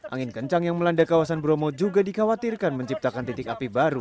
angin kencang yang melanda kawasan bromo juga dikhawatirkan menciptakan titik api baru